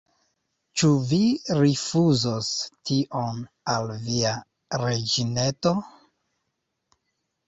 Ĉu Vi rifuzos tion al Via reĝineto?